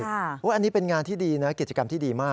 เพราะว่าอันนี้เป็นงานที่ดีนะเกตกรรมที่ดีมาก